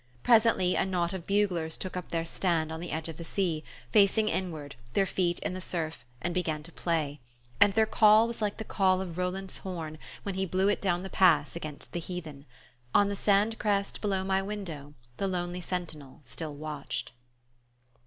Presently a knot of buglers took up their stand on the edge of the sea, facing inward, their feet in the surf, and began to play; and their call was like the call of Roland's horn, when he blew it down the pass against the heathen. On the sandcrest below my window the lonely sentinel still watched...